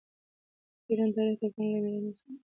د ایران تاریخ د افغانانو له مېړانې څخه متاثره دی.